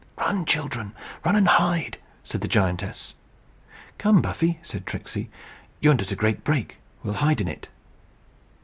"Run, children; run and hide!" said the giantess. "Come, Buffy," said Tricksey; "yonder's a great brake; we'll hide in it."